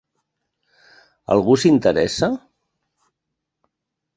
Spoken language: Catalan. ¿Algú s'hi interessa?